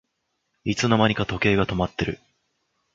いつの間にか時計が止まってる